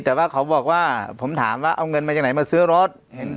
แต่ว่าเขาบอกว่าผมถามว่าเอาเงินมาจากไหนมาซื้อรถ